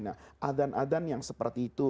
nah adhan adan yang seperti itu